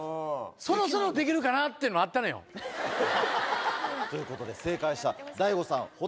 そろそろできるかなっていうのあったのよ。ということで正解したＤＡＩＧＯさん堀田さん